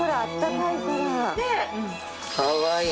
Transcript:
かわいい。